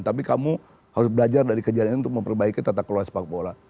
tapi kamu harus belajar dari kejadian ini untuk memperbaiki tata kelola sepak bola